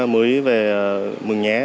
mới về mừng nhé